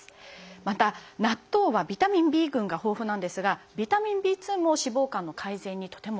また納豆はビタミンＢ群が豊富なんですがビタミンＢも脂肪肝の改善にとても役立つということなんですよね。